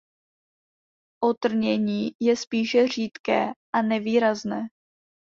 Otrnění je spíše řídké a nevýrazné.